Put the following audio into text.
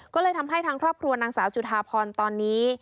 ก็เลยทำให้ทางครอบครัวนางสาวจุธาพรตอนนี้